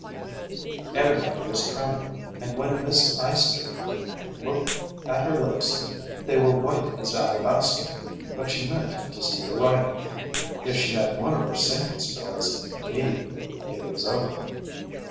Everybody was trembling, and when Miss Eyester looked at her lips they were white as alabaster, but she meant to see the riding, if she had one of her sinking spells immediately it was over.